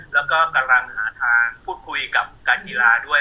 แล้วก็กำลังหาทางพูดคุยกับการกีฬาด้วย